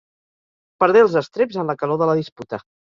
Perdé els estreps en la calor de la disputa.